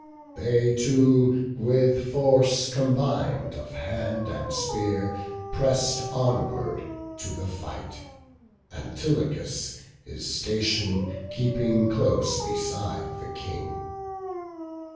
They two, with force combined of hand and spear, Press'd onward to the fight; Antilochus His station keeping close beside the King.